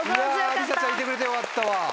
りさちゃんいてくれてよかった。